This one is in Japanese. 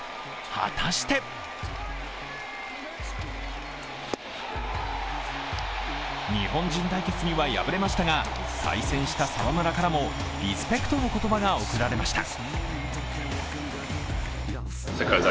果たして日本人対決には敗れましたが対戦した澤村からもリスペクトの言葉が贈られました。